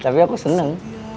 tapi aku seneng